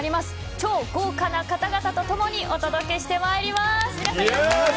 超豪華な方々と共にお届けしてまいります。